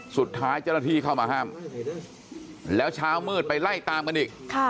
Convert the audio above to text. สุดท้ายเจ้าหน้าที่เข้ามาห้ามแล้วเช้ามืดไปไล่ตามกันอีก